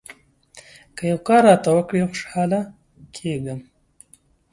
که یو کار راته وکړې ، خوشاله کېږم.